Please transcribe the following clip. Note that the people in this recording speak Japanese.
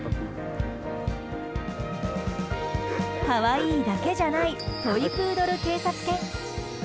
可愛いだけじゃないトイプードル警察犬。